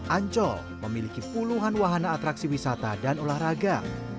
ancol memiliki puluhan wahana atraksi wisata dan olahraga